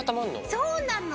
そうなの。